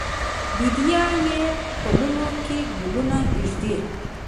بیدیا یې پلونو کې ګلونه ایږدي